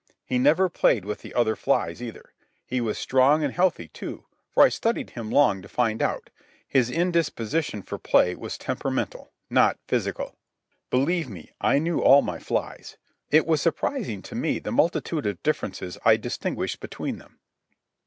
He never played with the other flies either. He was strong and healthy, too; for I studied him long to find out. His indisposition for play was temperamental, not physical. Believe me, I knew all my flies. It was surprising to me the multitude of differences I distinguished between them.